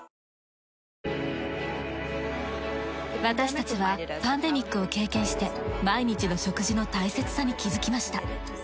私たちはパンデミックを経験して毎日の食事の大切さに気づきました。